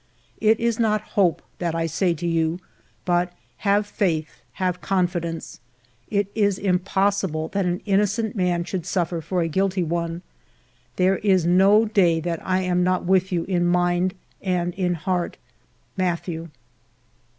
It is not 'hope' that I say to you, but ' have faith, have confidence ;' it is impossible that an innocent man should suffer for a guilty one. There is no day that I am not with you in mind and in heart. Mathieu."